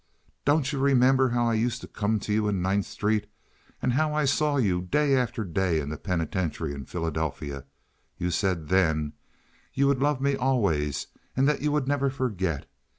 Don't you remember how I used to come to you in Ninth Street and how I saw you day after day in the penitentiary in Philadelphia? You said then you would love me always and that you would never forget.